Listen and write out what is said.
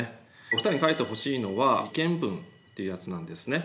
お二人に書いてほしいのは意見文っていうやつなんですね。